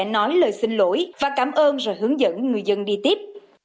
nói lời xin lỗi và cảm ơn rồi hướng dẫn người dân đi tiếp